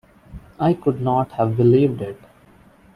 I could not have believed it.